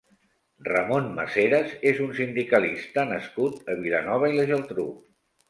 Ramon Maseras és un sindicalista nascut a Vilanova i la Geltrú.